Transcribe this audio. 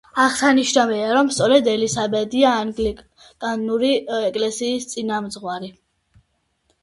აღსანიშნავია, რომ სწორედ ელისაბედია ანგლიკანური ეკლესიის წინამძღვარი.